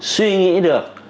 suy nghĩ được